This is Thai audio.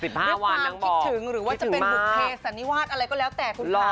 สิบห้าวันน้องบอกคิดถึงหรือว่าจะเป็นบุคเคสอ่ะนี่วาดอะไรก็แล้วแต่คุณภาพ